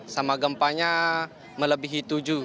sama gempanya melebihi tujuh